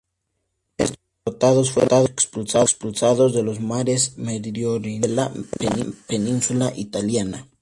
Estos, derrotados, fueron expulsados de los mares meridionales de la península italiana.